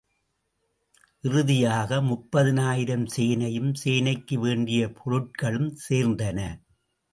இறுதியாக, முப்பதினாயிரம் சேனையும், சேனைக்கு வேண்டிய பொருட்களும் சேர்ந்தன.